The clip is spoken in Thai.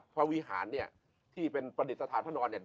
วิหารเนี่ยที่เป็นประดิษฐานพระนอนเนี่ย